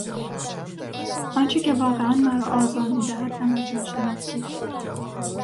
آنچه که واقعا مرا آزار میدهد نمکناشناسی است.